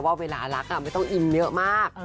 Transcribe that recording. ว่าเวลารักไม่ต้องอิ่มเยอะมาก